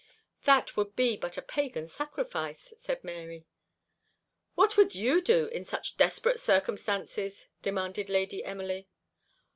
"That would be but a pagan sacrifice," said Mary. "What would you do in such desperate circumstances?" demanded Lady Emily.